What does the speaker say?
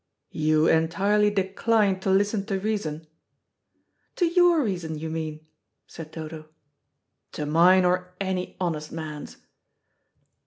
"You entirely decline to listen to reason?" "To your reason, you mean," said Dodo. "To mine or any honest man's."